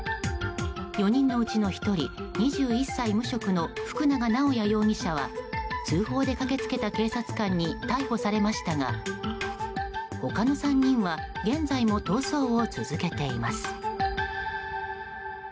４人のうちの１人２１歳、無職の福永直也容疑者は通報で駆け付けた警察官に逮捕されましたが他の３人は現在も逃走を続けています。